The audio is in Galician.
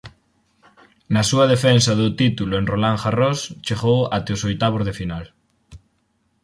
Na súa defensa do título en Roland Garros chegou até os oitavos de final.